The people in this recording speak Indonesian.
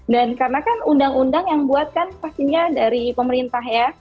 dan karena kan undang undang yang dibuatkan pastinya dari pemerintah ya